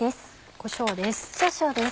こしょうです。